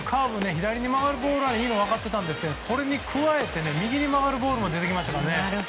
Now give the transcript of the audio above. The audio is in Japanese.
左に曲がるボールがいいのは分かってたんですけどこれに加えて右に曲がるボールも出てきましたからね。